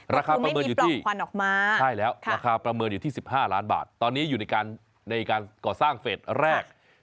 ราคาประเมินอยู่ที่๑๕ล้านบาทตอนนี้อยู่ในการก่อสร้างเฟสแรก